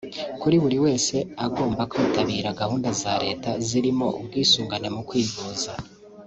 ko buri wese agomba kwitabira gahunda za Leta zirimo ubwisungane mu kwivuza